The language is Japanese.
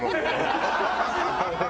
ハハハハ！